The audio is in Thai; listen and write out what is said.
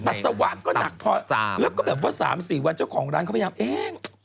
ปัสสาวะก็หนักพอแล้วก็แบบว่า๓๔วันเจ้าของร้านเขาพยายามเอง